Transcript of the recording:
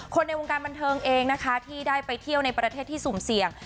ในวงการบันเทิงเองนะคะที่ได้ไปเที่ยวในประเทศที่สุ่มเสี่ยง